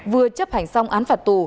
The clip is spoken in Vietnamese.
vừa chấp hành xong án phạt tù